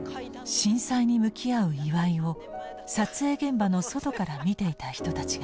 震災に向き合う岩井を撮影現場の外から見ていた人たちがいる。